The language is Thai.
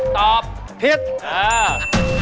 ตอบผิดอ่ะถูก